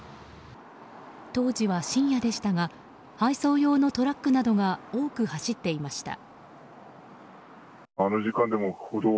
当時は深夜でしたが配送用のトラックなどが多く走っていました。